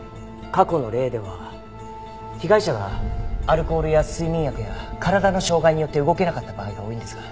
過去の例では被害者がアルコールや睡眠薬や体の障がいによって動けなかった場合が多いんですが。